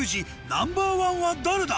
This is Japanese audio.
ナンバーワンは誰だ？